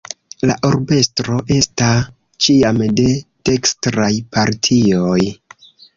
La urbestro esta ĉiam de dekstraj partioj.